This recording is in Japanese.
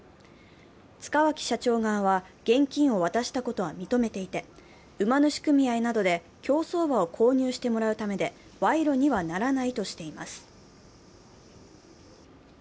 塚脇社長側は現金を渡したことは認めていて馬主組合などで競走馬を購入してもらうためで、賄賂にはならないとしています。